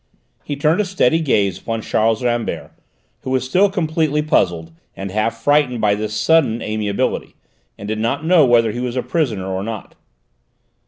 He turned a steady gaze upon Charles Rambert, who was still completely puzzled, and half frightened by this sudden amiability, and did not know whether he was a prisoner or not.